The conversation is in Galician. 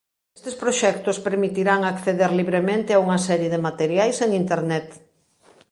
Estes proxectos permitirán acceder libremente a unha serie de materiais en internet.